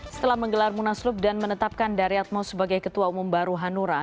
setelah menggelar munaslup dan menetapkan daryatmo sebagai ketua umum baru hanura